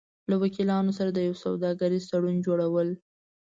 -له وکیلانو سره د یو سوداګریز تړون جوړو ل